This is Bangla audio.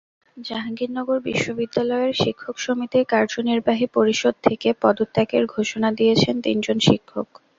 জাহাঙ্গীরনগর বিশ্ববিদ্যালয়ের শিক্ষক সমিতির কার্যনির্বাহী পরিষদ থেকে পদত্যাগের ঘোষণা দিয়েছেন তিনজন শিক্ষক।